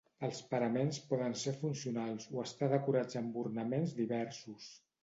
Els paraments poden ser funcionals, o estar decorats amb ornaments diversos.